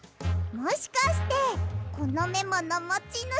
もしかしてこのメモのもちぬしは。